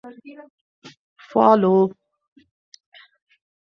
Follow